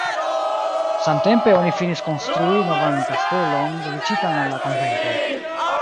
Samtempe oni finis konstrui novan kastelon dediĉitan al la konvento.